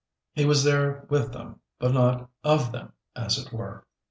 He was there with them, but not of them, as it were.